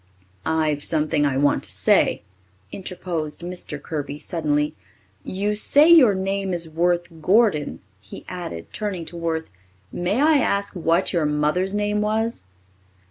"I've something I want to say," interposed Mr. Kirby suddenly. "You say your name is Worth Gordon," he added, turning to Worth. "May I ask what your mother's name was?"